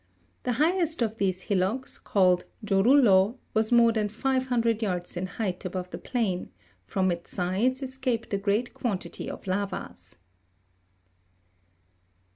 The highest of these hillocks, called Jorullo, was more than five hundred yards in height above the plain ; from its sides escaped a great quantity of lavas.